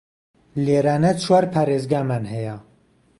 لێرانە چوار پاریزگامان هەیە